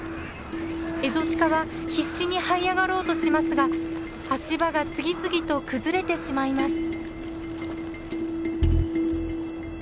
エゾシカは必死にはい上がろうとしますが足場が次々と崩れてしまいます。